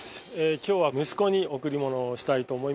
今日は息子に贈り物をしたいと思います。